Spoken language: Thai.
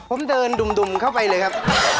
ผมเดินดุ่มเข้าไปเลยครับ